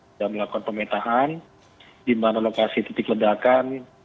sudah melakukan pemetaan di mana lokasi titik ledakan